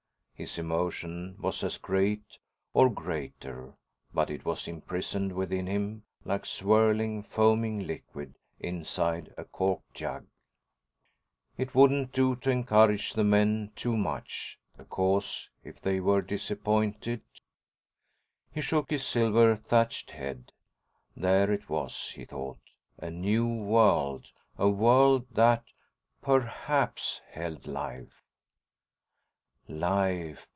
His emotion was as great, or greater, but it was imprisoned within him, like swirling, foaming liquid inside a corked jug. It wouldn't do to encourage the men too much. Because, if they were disappointed.... He shook his silver thatched head. There it was, he thought. A new world. A world that, perhaps, held life. Life.